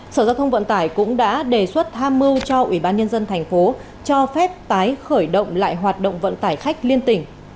sở giao thông vận tải cũng đã đề xuất tham mưu cho ủy ban nhân dân thành phố cho phép tái khởi động lại hoạt động vận tải khách liên tỉnh